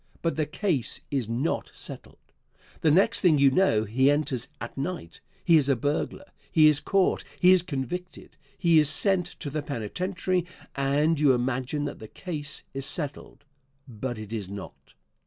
But the case is not settled. The next thing you know he enters at night. He is a burglar. He is caught; he is convicted; he is sent to the penitentiary, and you imagine that the case is settled. But it is not.